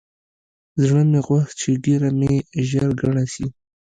زړه مې غوښت چې ږيره مې ژر گڼه سي.